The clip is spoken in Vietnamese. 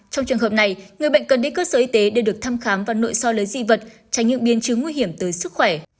trong trường hợp này người bệnh cần đi cơ sở y tế để được thăm khám và nội soi lấy di vật tránh những biến chứng nguy hiểm tới sức khỏe